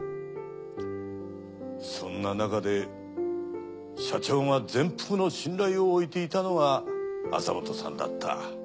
そんななかで社長が全幅の信頼をおいていたのが朝本さんだった。